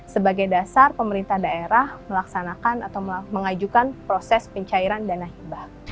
sebagai dasar pemerintah daerah melaksanakan atau mengajukan proses pencairan dana hibah